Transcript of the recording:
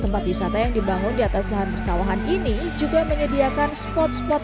tempat wisata yang dibangun di atas lahan persawahan ini juga menyediakan spot spot